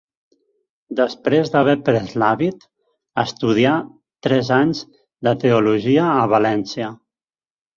Després d'haver pres l'hàbit, estudià tres anys de teologia a València.